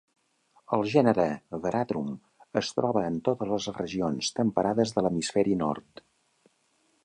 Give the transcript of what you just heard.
El gènere "Veratrum" es troba en totes les regions temperades de l'hemisferi nord.